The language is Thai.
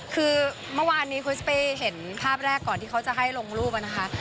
คือเมื่อวานนี้คริสเป้เห็นภาพแรกก่อนที่เขาจะให้ลงรูปนะคะ